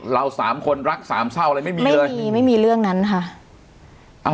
เราสามคนรักสามเศร้าอะไรไม่มีเลยไม่มีไม่มีเรื่องนั้นค่ะ